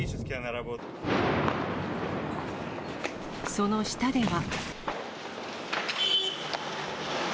その下では。